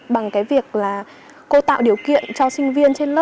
bằng việc cô tạo điều kiện cho sinh viên trên lớp